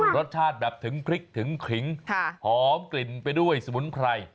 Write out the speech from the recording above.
รสชาติแบบถึงพริกถึงขริงหอมกลิ่นไปด้วยสมุนไพร